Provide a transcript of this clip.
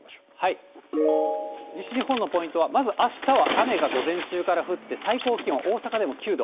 西日本のポイントは、まずあしたは雨が午前中から降って最高気温大阪でも９度。